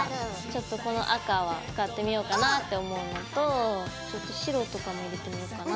ちょっとこの赤は使ってみようかなって思うのとちょっと白とかも入れてみようかな。